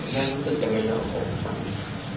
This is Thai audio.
หวัเซียดงันไง